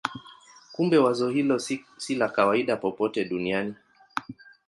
Kumbe wazo hilo si la kawaida popote duniani.